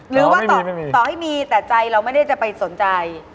หรือว่าต่อให้มีแต่ใจเราไม่ได้จะไปสนใจ